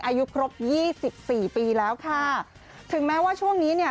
อายุครบยี่สิบสี่ปีแล้วค่ะถึงแม้ว่าช่วงนี้เนี่ย